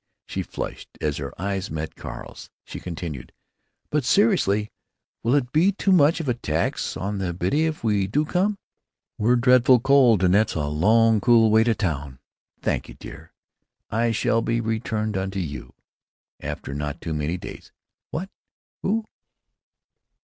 She flushed as her eyes met Carl's. She continued: "But seriously, will it be too much of a tax on the Biddy if we do come? We're drefful cold, and it's a long crool way to town.... Thank you, dear. It shall be returned unto you—after not too many days.... What?... Who?...